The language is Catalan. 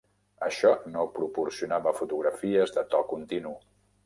Això no proporcionava fotografies de to continu.